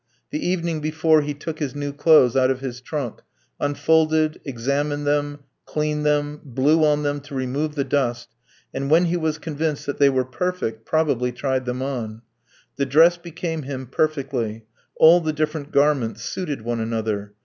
The evening before he took his new clothes out of his trunk, unfolded, examined them, cleaned them, blew on them to remove the dust, and when he was convinced that they were perfect, probably tried them on. The dress became him perfectly; all the different garments suited one another.